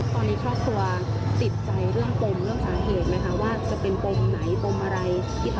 ตอนนี้ครอบครัวติดใจเรื่องปมเรื่องสาเหตุไหมคะว่าจะเป็นปมไหนปมอะไร